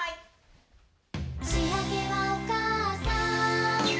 「しあげはおかあさん」